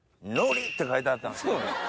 って書いてあったんですよね。